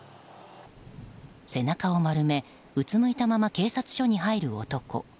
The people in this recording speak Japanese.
背中を丸めうつむいたまま警察署に入る男。